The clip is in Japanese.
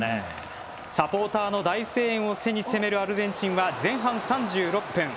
サポーターの大声援を背に攻めるアルゼンチンは前半３６分。